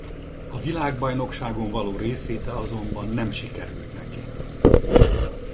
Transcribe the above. A világbajnokságon való részvétel azonban nem sikerült neki.